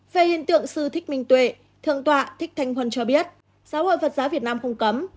về hiện tượng sư thích minh tuệ thượng tọa thích thanh huân cho biết giáo hội phật giáo việt nam không cấm